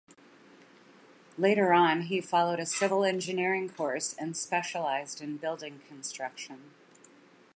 Later on he followed a civil engineering course and specialized in building construction.